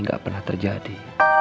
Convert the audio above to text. gak pernah terjadi